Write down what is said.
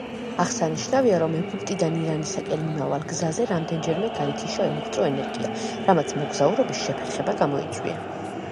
აღსანიშნავია, რომ ეგვიპტიდან ირანისაკენ მიმავალ გზაზე რამდენჯერმე გაითიშა ელექტრო ენერგია, რამაც მოგზაურობის შეფერხება გამოიწვია.